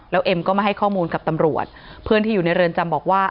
แล้วเอ็มก็มาให้ข้อมูลกับตำรวจเพื่อนที่อยู่ในเรือนจำบอกว่า